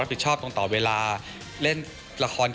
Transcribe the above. แต่มีนักแสดงคนนึงเดินเข้ามาหาผมบอกว่าขอบคุณพี่แมนมากเลย